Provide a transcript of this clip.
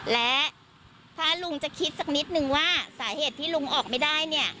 และถ้าลุงจะคิดสักนิดนึงว่าสาเหตุที่ลุงออกไม่ได้เนี่ย